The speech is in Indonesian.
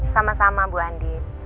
sama sama bu andin